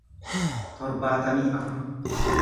torbaatamii afur